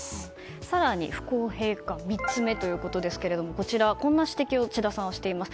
更に不公平感３つ目ということですけれどもこんな指摘を智田さんはしています。